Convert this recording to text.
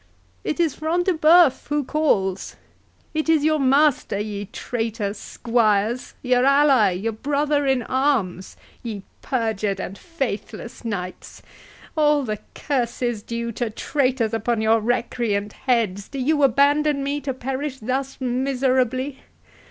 —It is Front de Bœuf who calls!—It is your master, ye traitor squires!—Your ally—your brother in arms, ye perjured and faithless knights!—all the curses due to traitors upon your recreant heads, do you abandon me to perish thus miserably!